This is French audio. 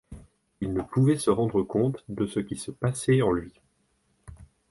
Il ne pouvait se rendre compte de ce qui se passait en lui.